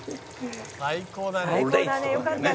「最高だね」